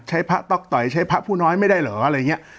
พระต๊อกต่อยใช้พระผู้น้อยไม่ได้เหรออะไรอย่างนี้